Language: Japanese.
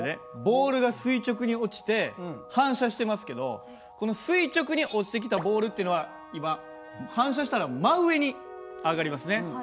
ボールが垂直に落ちて反射してますけどこの垂直に落ちてきたボールっていうのは今反射したら真上に上がりますね。